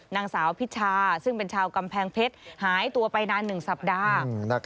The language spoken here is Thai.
นางสาวพิชาซึ่งเป็นชาวกำแพงเพชรหายตัวไปนาน๑สัปดาห์